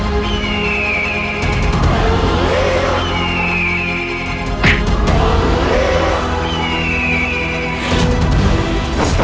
tiada masalah untuk membela